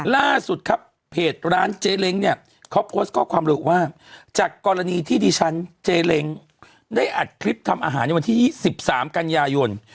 ล่าสุดครับเพจร้านเจ๊เล้งเนี่ยเขาโพสต์ข้อความรู้ว่าจากกรณีที่ดิฉันเจเล้งได้อัดคลิปทำอาหารในวันที่๒๓กันยายน